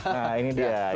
nah ini dia